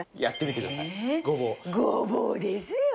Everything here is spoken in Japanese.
ごぼうですよ？